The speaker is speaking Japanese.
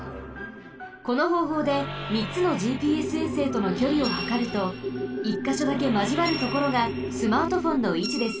このほうほうでみっつのＧＰＳ衛星とのきょりをはかると１かしょだけまじわるところがスマートフォンのいちです。